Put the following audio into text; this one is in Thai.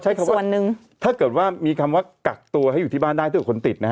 พอใช้คำว่าถ้าเกิดว่ากักตัวให้อยู่บ้านได้ด้วยคนติดนะฮะ